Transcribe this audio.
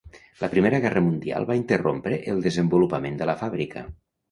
La Primera Guerra Mundial va interrompre el desenvolupament de la fàbrica.